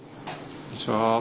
こんにちは。